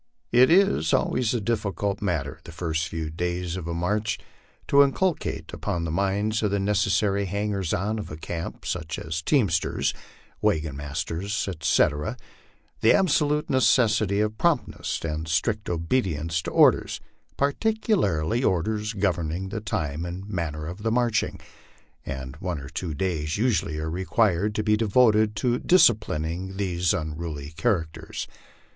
It is always a difficult matter, the first few days of a march, to inculcate upon the minds of the necessary hangers on of a camp, such as teamsters, wagon masters, etc., the absolute necessity of promptness and strict obedience to orders, particularly orders governing the time and manner of marching; and one or two days usually are required to be devoted to disci plining these unruly characters.